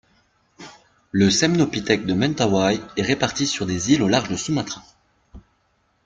Le semnopithèque de Mentawai est réparti sur des îles au large de Sumatra.